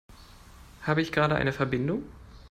Habe ich gerade eine Verbindung?